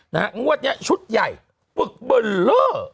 งวดนี้ชุดใหญ่ปึกเบลอ